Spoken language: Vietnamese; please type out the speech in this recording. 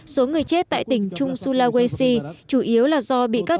số người chết tại tỉnh trung sulawesi chủ yếu là do bị các